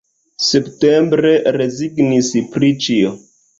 Septembre rezignis pri ĉio.